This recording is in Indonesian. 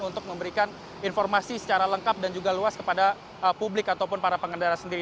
untuk memberikan informasi secara lengkap dan juga luas kepada publik ataupun para pengendara sendiri